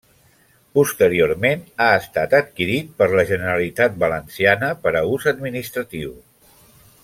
Posteriorment ha estat adquirit per la Generalitat Valenciana per a ús administratiu.